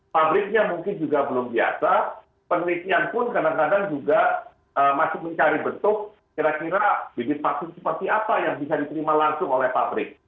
pabriknya mungkin juga belum biasa penelitian pun kadang kadang juga masih mencari bentuk kira kira bibit vaksin seperti apa yang bisa diterima langsung oleh pabrik